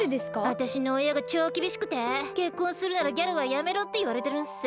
あたしのおやがちょうきびしくて結婚するならギャルはやめろっていわれてるんす。